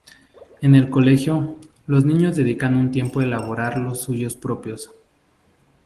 En el colegio, los niños dedican un tiempo a elaborar los suyos propios.